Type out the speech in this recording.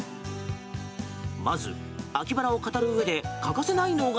まず、秋バラを語るうえで欠かせないのが。